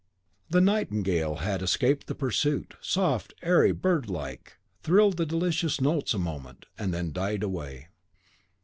The nightingale had escaped the pursuit, soft, airy, bird like, thrilled the delicious notes a moment, and then died away.